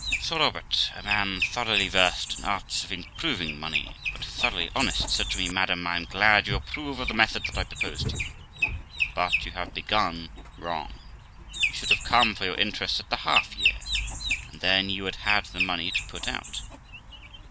Sir Robert, a man thoroughly versed in arts of improving money, but thoroughly honest, said to me, 'Madam, I am glad you approve of the method that I proposed to you; but you have begun wrong: you should have como for your interest at the half year, and then you had had the money to put out.